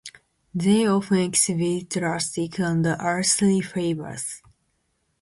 They often exhibit rustic and earthy flavors.